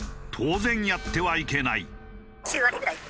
当然やってはいけない。